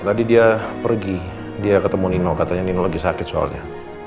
tadi dia pergi dia ketemu nino katanya nino lagi sakit soalnya